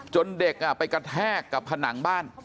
เด็กไปกระแทกกับผนังบ้าน